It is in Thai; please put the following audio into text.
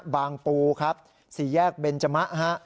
ปูครับสี่แยกเบนจมะฮะ